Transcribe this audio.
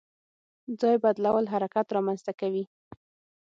ځای بدلول حرکت رامنځته کوي.